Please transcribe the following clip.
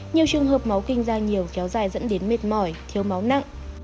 nhiều trường hợp máu kinh ra nhiều kéo dài dẫn đến mệt mỏi thiếu máu nặng